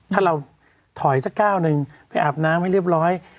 ถ้าเราถอยสักก้าวหนึ่งไปอาบน้ำให้เรียบร้อย